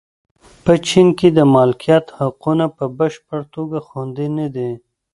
په چین کې د مالکیت حقونه په بشپړه توګه خوندي نه دي.